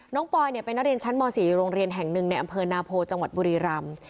น้องปอยเนี่ยไปนรชบศโรงเรียนแห่งหนึ่งในอำเภอนาโพจังหวัดบุรีรำ